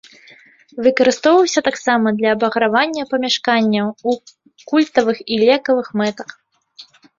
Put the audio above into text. Выкарыстоўваўся таксама для абагравання памяшканняў, у культавых і лекавых мэтах.